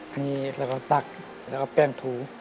อันนี้เราก็ซักแล้วเอาแปรงถู